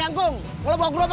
emak emak gak boleh taro sono